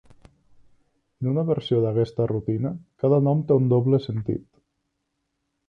En una versió d'aquesta rutina, cada nom té un doble sentit.